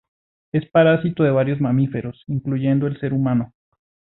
Es parásito de varios mamíferos, incluyendo el ser humano.